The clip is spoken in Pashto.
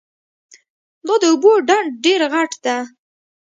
دا د اوبو ډنډ ډېر غټ ده